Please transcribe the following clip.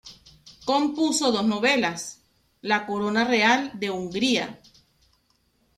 Compuso dos novelas: "La corona real de Hungría.